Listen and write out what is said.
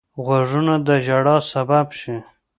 غوږونه د ژړا سبب شي